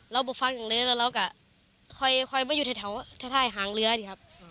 เราบอกฟังอย่างเลยแล้วเรากะคอยคอยมาอยู่แถวแถวไทยหางเรืออ่ะดิครับ